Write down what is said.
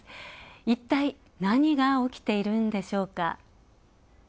一体何が起きているんでしょうか。